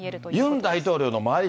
ユン大統領の周り